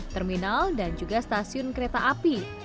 terminal dan juga stasiun kereta api